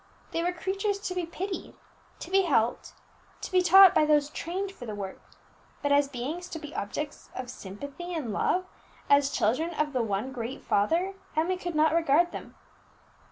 They were creatures to be pitied, to be helped, to be taught by those trained for the work; but as beings to be objects of sympathy and love, as children of the one Great Father, Emmie could not regard them.